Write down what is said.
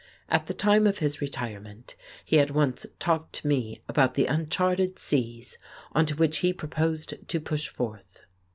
At the time of his retirement he had once talked to me about the uncharted seas on to which he proposed to push forth.